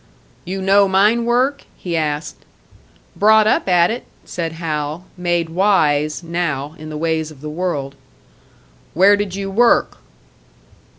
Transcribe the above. "You know mine work?" he asked. "Brought up at it," said Hal, made wise, now, in the ways of the world. "Where did you work?"